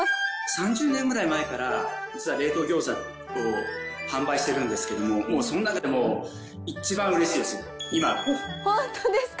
３０年ぐらい前から、実は冷凍餃子を販売してるんですけども、その中でも一番うれしい本当ですか。